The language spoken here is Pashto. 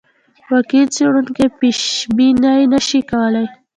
واقعي څېړونکی پیشبیني نه شي کولای.